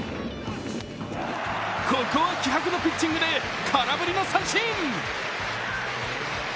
ここは気迫のピッチングで空振りの三振。